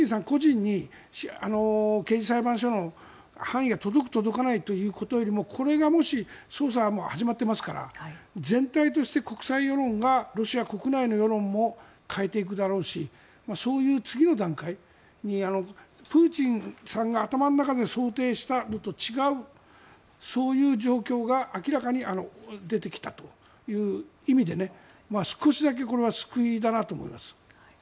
個人に刑事裁判所の範囲が届く、届かないということよりもこれがもし捜査が始まっていますから全体として国際世論がロシア国内の世論も変えていくだろうしそういう次の段階にプーチンさんが頭の中で想定したのと違うそういう状況が明らかに出てきたという意味で少しだけこれは救いだなと思います。